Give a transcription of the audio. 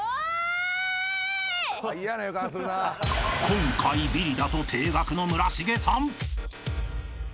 ［今回ビリだと停学の村重さん］